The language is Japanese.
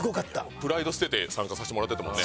プライド捨てて参加さしてもらってたもんね。